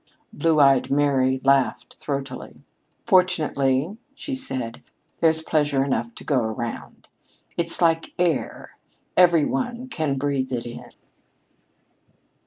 Blue eyed Mary laughed throatily. "Fortunately," she said, "there's pleasure enough to go around. It's like air, every one can breathe it in."